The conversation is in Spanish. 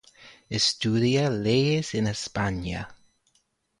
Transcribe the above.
Estudia leyes en España.